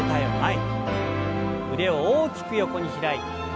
腕を大きく横に開いて。